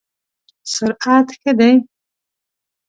سرعت ښه دی؟